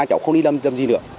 cháu không đi làm gì nữa